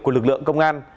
của lực lượng công an